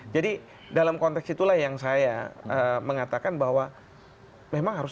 jadi dalam konteks itulah yang saya mengatakan bahwa memang harus